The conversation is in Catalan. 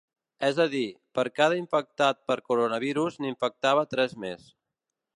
És a dir, que cada infectat per coronavirus n’infectava tres més.